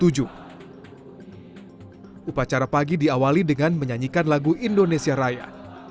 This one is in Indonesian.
upacara pagi diawali dengan menyanyikan lagu indonesia raya